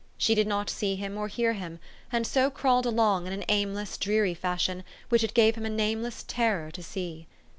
She did not see him or hear him, and so crawled along in an aimless, dreary fashion which it gave him a nameless terror to see.